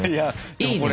いいね。